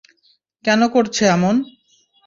কেন করছে এমন?